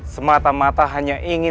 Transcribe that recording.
semata mata hanya ingin